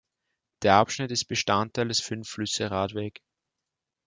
Der Abschnitt ist Bestandteil des Fünf-Flüsse-Radweg.